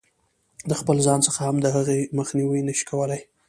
د خپل ځان څخه هم د هغې مخنیوی نه شي کولای.